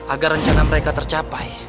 agar rencana mereka tercapai